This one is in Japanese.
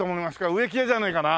植木屋じゃないかな？